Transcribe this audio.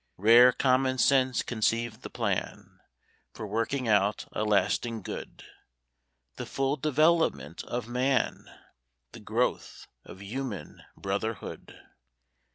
Rare common sense conceived the plan, For working out a lasting good The full development of Man; The growth of human brotherhood!